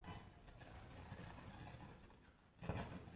麦氏波鱼为鲤科波鱼属的鱼类。